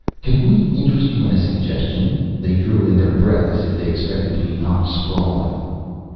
"Can we interest you in a suggestion?" They drew in their breath as if they expected to be knocked sprawling.